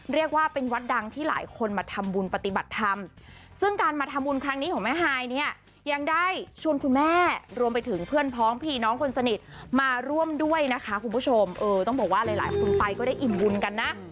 เรียกว่าเป็นวัดดังที่หลายคนมาทำบุญปฏิบัติธรรมซึ่งการมาทำบุญครั้งนี้ของแม่ฮายเนี่ยยังได้ชวนคุณแม่รวมไปถึงเพื่อนพ้องพี่น้องคนสนิทมาร่วมด้วยนะคะคุณผู้ชมเออต้องบอกว่าหลายคนไปก็ได้อิ่มบุญกันนะ